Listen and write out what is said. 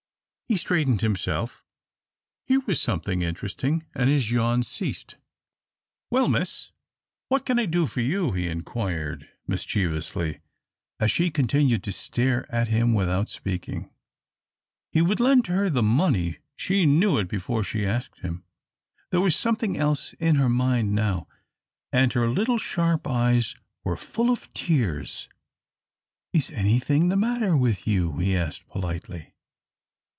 He straightened himself. Here was something interesting, and his yawns ceased. "Well, miss, what can I do for you?" he inquired, mischievously, as she continued to stare at him without speaking. He would lend her the money, she knew it before she asked him. There was something else in her mind now, and her little sharp eyes were full of tears. "Is anything the matter with you?" he asked, politely.